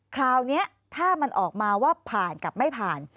คราวนี้ถ้ามันออกมาว่าผ่านกับไม่ผ่าน